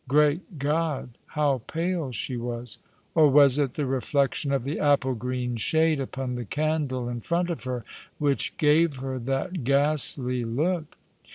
Great God, how pale she was! Or was it the reflection of the apple green shade upon the candle in front of her which gave her that ghastly look